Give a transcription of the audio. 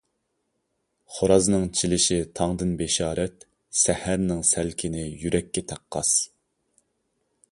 خورازنىڭ چىلىشى تاڭدىن بېشارەت، سەھەرنىڭ سەلكىنى يۈرەككە تەققاس.